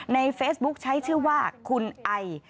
ในเฟซบุ๊คใช้ชื่อว่าคุณไอ